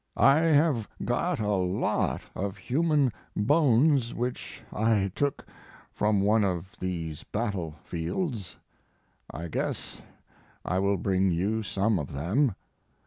I have got a lot of human bones which I took from one of these battle fields. I guess I will bring you some of them.